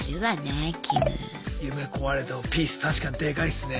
夢壊れてもピース確かにでかいっすね。